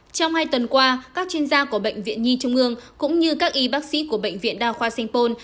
trong hai tuần qua các chuyên gia của bệnh viện nhi trung ương cũng như các y bác sĩ của bệnh viện đa khoa sanh pôn